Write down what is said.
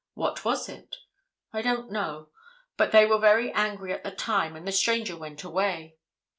'What was it?' 'I don't know, but they were very angry at the time, and the stranger went away.